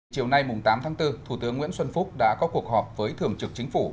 chiều nay tám tháng bốn thủ tướng nguyễn xuân phúc đã có cuộc họp với thường trực chính phủ